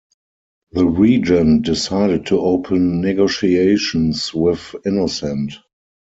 The regent decided to open negotiations with Innocent.